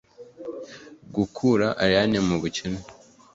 gukura allayne mubukene